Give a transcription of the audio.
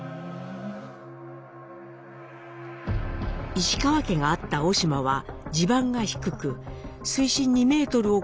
石川家があった小島は地盤が低く水深２メートルを超える濁流で水没。